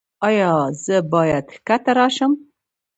ایا زه باید ښکته راشم؟